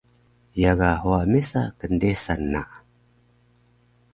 Ye ga huwa mesa kndesan na